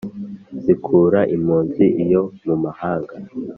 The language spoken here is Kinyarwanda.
zikura impunzi iyo mumahanga